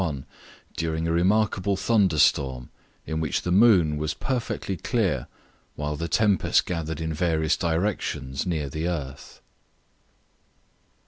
1791, during a remarkable thunder storm, in which the moon was perfectly clear, while the tempest gathered in various directions near the earth.